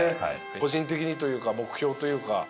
個人的にというか目標というか。